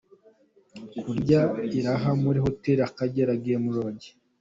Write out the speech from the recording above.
Kurya iraha muri Hotel Akagera Game Lodge